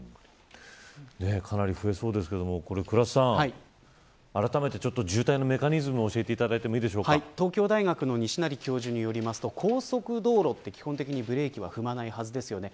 かなり増えそうですけども倉田さん、あらためて渋滞のメカニズムを教えていただいて東京大学の西成教授によると高速道路は基本的にブレーキは踏まないですよね。